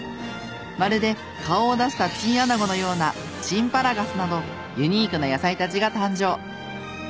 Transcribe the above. まるで顔を出したチンアナゴのような「チンパラガス」などユニークな野菜たちが誕生。